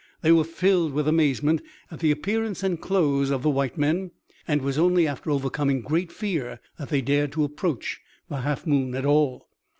They were filled with amazement at the appearance and clothes of the white men and it was only after overcoming great fear that they dared to approach the Half Moon at all.